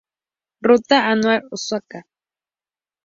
Ruta anular Osaka.